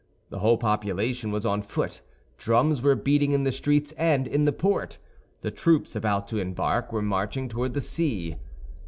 The whole population was on foot; drums were beating in the streets and in the port; the troops about to embark were marching toward the sea.